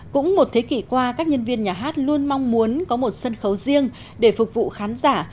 cũng một thế kỷ qua các nhân viên nhà hát luôn mong muốn có một sân khấu riêng để phục vụ khán giả